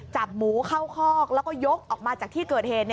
จับหมูเข้าคอกแล้วก็ยกออกมาจากที่เกิดเหตุ